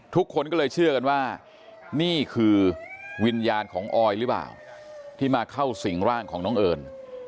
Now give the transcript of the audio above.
ทุกคนก็เลยเชื่อกันว่านี่คือวิญญาณของออยหรือเปล่าที่มาเข้าสิ่งร่างของน้องเอิญ